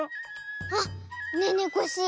あっねえねえコッシー